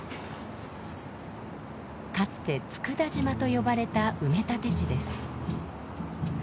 かつて佃島と呼ばれた埋め立て地です。